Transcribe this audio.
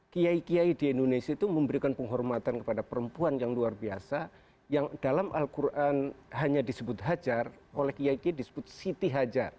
kiai kiai di indonesia itu memberikan penghormatan kepada perempuan yang luar biasa yang dalam al quran hanya disebut hajar oleh kiai kiai disebut siti hajar